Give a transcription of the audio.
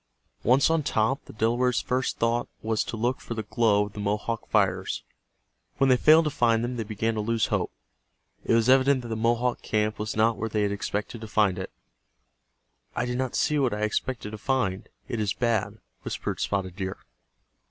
Once on top the Delawares' first thought was to look for the glow of the Mohawk fires. When they failed to find them they began to lose hope. It was evident that the Mohawk camp was not where they had expected to find it. "I do not see what I expected to find—it is bad," whispered Spotted Deer.